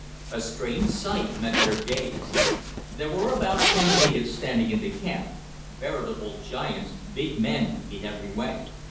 A strange sight met their gaze. There were about ten natives standing in the camp veritable giants, big men in every way.